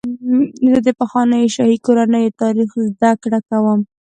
زه د پخوانیو شاهي کورنیو تاریخ زدهکړه کوم.